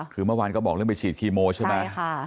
คือเมื่อวานก็บอกเรื่องไปฉีดคีโมใช่ไหม